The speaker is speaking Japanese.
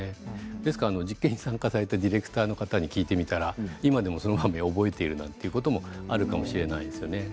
ですから実験に参加されたディレクターの方に聞いてみたら今でも、その場面を覚えているということがあるかもしれないですよね。